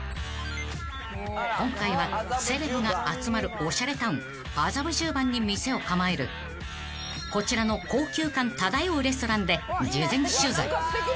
［今回はセレブが集まるおしゃれタウン麻布十番に店を構えるこちらの高級感漂うレストランで事前取材］